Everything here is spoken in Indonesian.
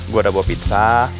gue udah bawa pizza